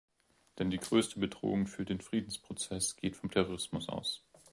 Denn die größte Bedrohung für den Friedensprozess geht vom Terrorismus aus.